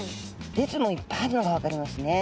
列もいっぱいあるのが分かりますね。